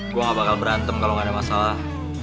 gue gak bakal berantem kalau nggak ada masalah